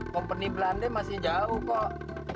company belanda masih jauh kok